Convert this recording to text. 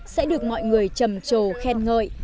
sẽ được mọi người trầm trồ khen ngợi